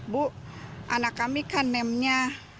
bu anak kami kan nem nya dua puluh empat dua ratus empat puluh